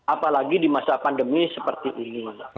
apalagi di masa pandemi seperti ini